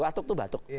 watuk itu batuk